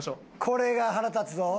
これが腹立つぞ。